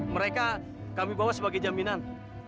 mereka kami bawa sebagai jaminan